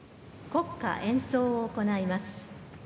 国歌演奏を行います。